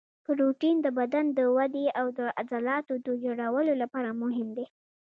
پروټین د بدن د ودې او د عضلاتو د جوړولو لپاره مهم دی